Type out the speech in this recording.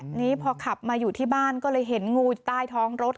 ทีนี้พอขับมาอยู่ที่บ้านก็เลยเห็นงูอยู่ใต้ท้องรถ